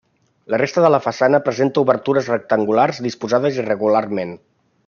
La resta de la façana presenta obertures rectangulars, disposades irregularment.